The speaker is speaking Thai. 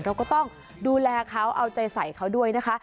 เราก็ต้องดูแลเขาเอาใจใส่เขาด้วยนะคะ